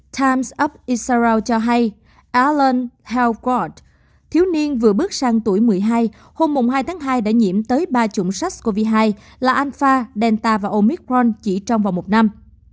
times up israel cho hay alan helford thiếu niên vừa bước sang tuổi một mươi hai hôm hai tháng hai đã nhiễm tới ba chủng sars cov hai là alpha delta và omicron chỉ trong một năm